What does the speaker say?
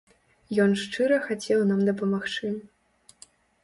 Ён шчыра хацеў нам дапамагчы.